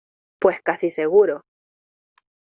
pues casi seguro